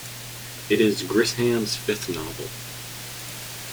It is Grisham's fifth novel.